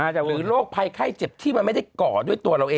แต่หรือโรคภัยไข้เจ็บที่มันไม่ได้ก่อด้วยตัวเราเอง